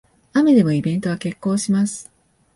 雨でもイベントは決行します